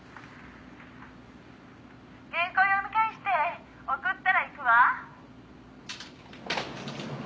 「原稿を読み返して送ったら行くわ」